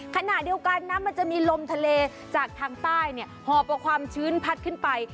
ขณะเดียวกันนะมันจะมีลมทะเลจากทางใต้หอบเอาความชื้นพัดขึ้นไป